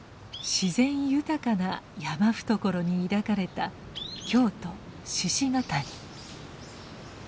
自然豊かな山懐に抱かれた京都鹿ケ谷。